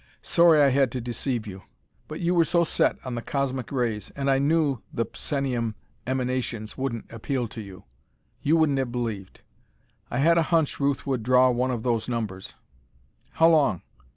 "Sorry I had to deceive you, but you we're so set on the cosmic rays, and I knew the psenium emanations wouldn't appeal to you. You wouldn't have believed. I had a hunch Ruth would draw one of those numbers.... _How long?